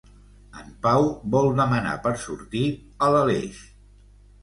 En Pau vol demanar per sortir a l'Aleix.